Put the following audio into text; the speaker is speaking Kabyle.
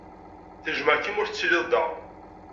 Tejjmeɣ-k mi ur tettiliḍ da.